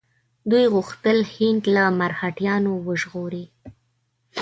دوی غوښتل هند له مرهټیانو وژغوري.